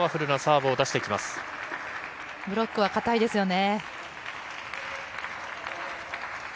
ブロックは堅いですよね。